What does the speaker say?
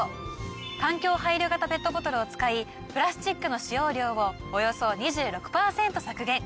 環境配慮型ペットボトルを使いプラスチックの使用量をおよそ２６％削減。